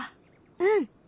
うん！